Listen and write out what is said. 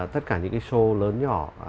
tất cả những cái show lớn nhỏ